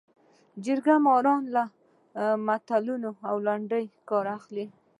جرګه مار له متلونو او لنډیو کار اخلي